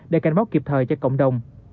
để cảnh báo kịp thời cho cộng đồng